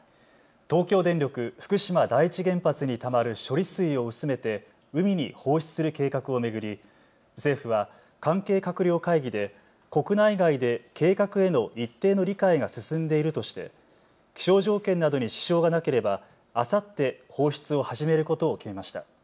東京電力福島第一原発にたまる処理水を薄めて海に放出する計画を巡り政府は関係閣僚会議で国内外で計画への一定の理解が進んでいるとして気象条件などに支障がなければあさって放出を始めることを決めました。